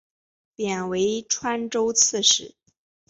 贬为川州刺史。